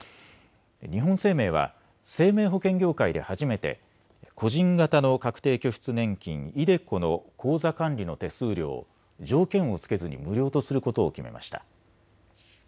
日本生命は生命保険業界で初めて個人型の確定拠出年金、ｉＤｅＣｏの口座管理の手数料を条件を付けずに無料とすることを決めました。